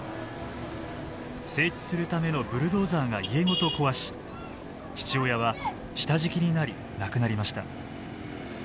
整地するためのブルドーザーが家ごと壊し父親は下敷きになり亡くなりました。